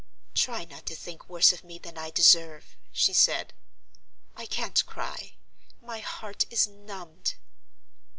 "Try not to think worse of me than I deserve," she said. "I can't cry. My heart is numbed."